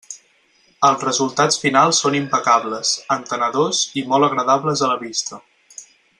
Els resultats finals són impecables, entenedors i molt agradables a la vista.